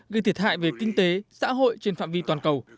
gây thiệt hại về kinh tế xã hội trên phạm vi toàn cầu